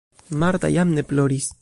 Marta jam ne ploris.